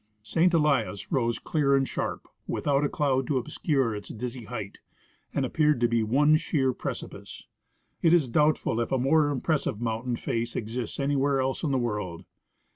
St. Elias rose clear and sharp, without a cloud to obscure its dizzy height, and appeared to be one sheer precipice. It is doubtful if a more impressive mountain face exists anywhere else in the world.